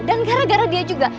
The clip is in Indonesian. dan gara gara dia juga